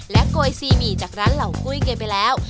และก๋วยสีหมี่จากร้านเหล่ากุ้ยเกียร์ไปแล้ว